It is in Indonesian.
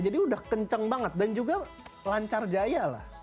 jadi udah kencang banget dan juga lancar jaya lah